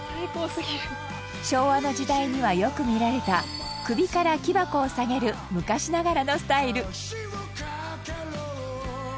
昭和の時代にはよく見られた首から木箱を提げる昔ながらのスタイル。